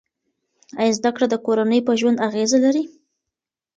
آیا زده کړه د کورنۍ په ژوند اغېزه لري؟